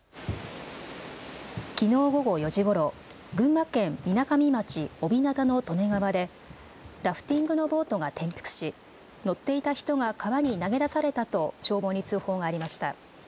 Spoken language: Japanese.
きのう午後４時ごろ、群馬県みなかみ町小日向の利根川でラフティングのボートが転覆し乗っていた人が川に投げ出されたと消防に通報がありました。